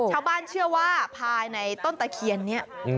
ชาวบ้านเชื่อว่าภายในต้นตะเคียนนี้